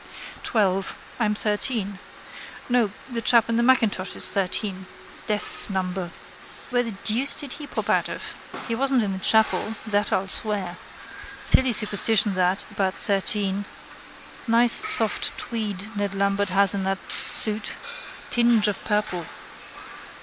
Twelve. I'm thirteen. No. The chap in the macintosh is thirteen. Death's number. Where the deuce did he pop out of? He wasn't in the chapel, that I'll swear. Silly superstition that about thirteen. Nice soft tweed Ned Lambert has in that suit. Tinge of purple.